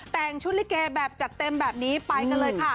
แต่งชุดลิเกแบบจัดเต็มแบบนี้ไปกันเลยค่ะ